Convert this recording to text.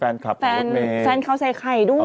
แฟนเขาใส่ไข่ด้วย